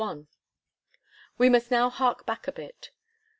end.) We must now hark back a bit.